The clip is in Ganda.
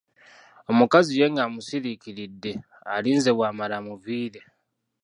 Omukazi ye ng'amusiriikiridde, alinze bw'amala amuviire.